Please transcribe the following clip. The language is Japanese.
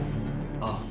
ああ。